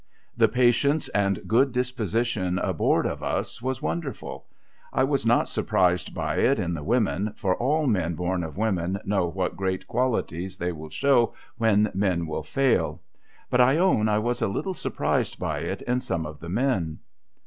The patience and good disposition aboard of us, was wonderful. I was not surprised by it in the women; for all THE EVENING HYMN 131 men born of women know what great qualities they will show when men will fail ; but, I own I was a little surprised by it in some of the men.